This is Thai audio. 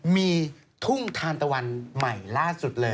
มีทุ่งทานตะวันใหม่ล่าสุดเลย